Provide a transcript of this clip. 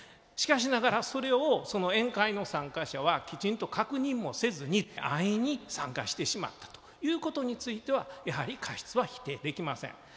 しかしながらそれをその宴会の参加者はきちんと確認もせずに安易に参加してしまったということについてはやはり過失は否定できません。